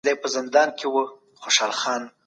دا یو حقیقت دی چي مطالعه پوهه زیاتوي.